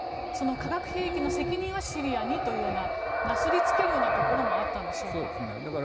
化学兵器の責任はシリアにというようななすりつけるようなところもあったんでしょうか。